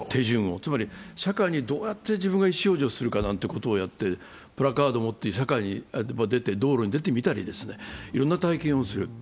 つまり社会にどうやって自分が意思表示をするかなんてことをやってる、プラカード持って社会に出て、道路に出てみたり、いろんな体験をする。